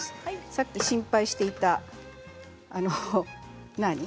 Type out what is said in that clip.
さっき心配していた、何？